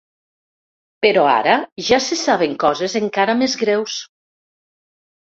Però ara ja se saben coses encara més greus.